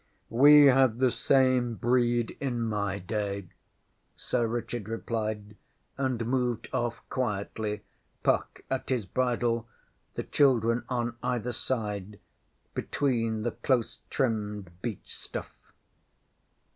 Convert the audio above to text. ŌĆÖ ŌĆśWe had the same breed in my day, ŌĆÖ Sir Richard replied, and moved off quietly, Puck at his bridle, the children on either side between the close trimmed beech stuff.